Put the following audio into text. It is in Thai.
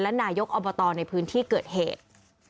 และนายกอบตในพื้นที่เกิดเหตุ